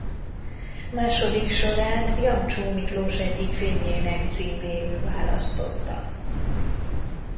Második sorát Jancsó Miklós egyik filmjének címéül választotta.